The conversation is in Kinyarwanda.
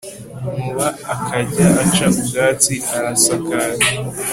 Nkuba akajya aca ubwatsi arasakara